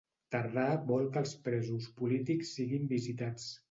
Tardà vol que els presos polítics siguin visitats